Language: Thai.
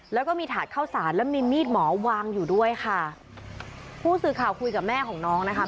แล้วก็มีถาดเข้าสารแล้วมีมีดหมอวางอยู่ด้วยค่ะผู้สื่อข่าวคุยกับแม่ของน้องนะคะ